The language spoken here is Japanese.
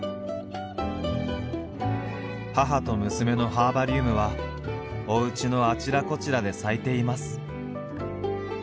母と娘のハーバリウムはおうちのあちらこちらで咲いています。